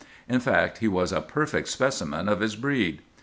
In fact, he was a perfect specimen of his breed.